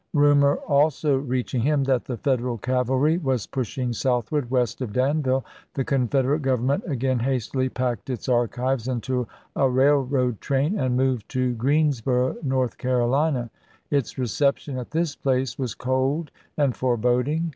.Rumor also reaching him that the Federal cavaliy was pushing southward west of Danville, the Con federate Government again hastily packed its archives into a railroad train and moved to Greens boro', North Carolina. Its reception at this place was cold and foreboding.